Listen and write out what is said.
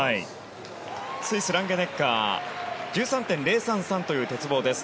スイス、ランゲネッガー１３．０３３という鉄棒です。